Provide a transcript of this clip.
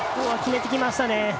決めてきましたね。